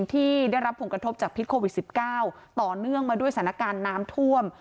ที่ได้รับผลกระทบจากพิษโควิด๑๙ต่อเนื่องมาด้วยสถานการณ์น้ำท่วม